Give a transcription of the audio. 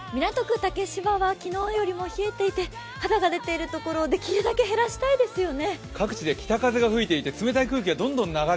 竹芝は昨日よりも冷えていて肌が出ているところをできるだけ減らしたいですよね。